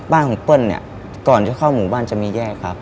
บ้านของเปิ้ลเนี่ยก่อนจะเข้าหมู่บ้านจะมีแยกครับ